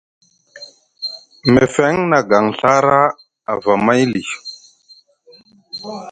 Mefeŋ nʼagaŋ Ɵara ava amay lii.